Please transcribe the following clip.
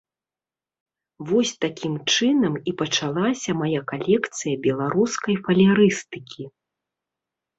Вось такім чынам і пачалася мая калекцыя беларускай фалерыстыкі.